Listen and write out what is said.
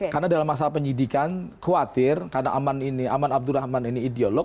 karena dalam masa penyidikan khawatir karena aman abdurrahman ini ideolog